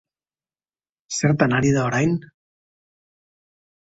Zertan ari da orain?